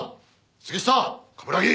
杉下冠城。